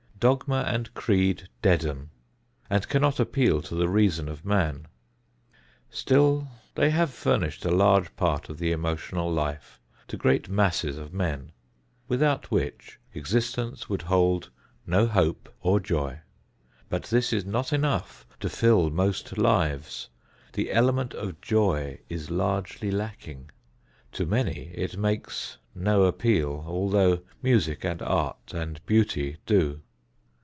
Dogma and creed deaden and cannot appeal to the reason of man. Still they have furnished a large part of the emotional life to great masses of men, without which existence would hold no hope or joy. But this is not enough to fill most lives. The element of joy is largely lacking. To many it makes no appeal, although music and art and beauty do.